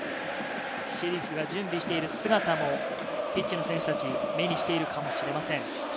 シェリフが準備している姿もピッチの選手達、目にしているかもしれません。